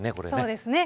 そうですね。